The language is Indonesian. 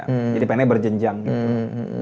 jadi pengennya berjenjang gitu